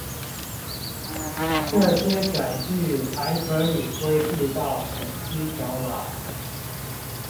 這些載具還可以歸戶到手機條碼